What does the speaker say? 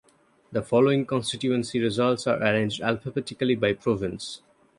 The following constituency results are arranged alphabetically by province.